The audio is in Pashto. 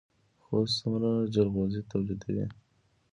خوست څومره جلغوزي تولیدوي؟